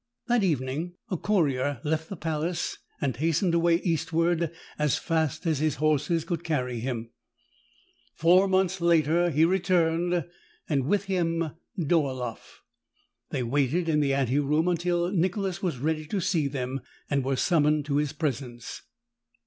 That evening a courier left the palace and hast ened away eastward as fast as his horses could carry him. Four months later he returned and with him Dolaelf. They waited in the ante room until Nicholas was ready to see them and were summoned to his presence.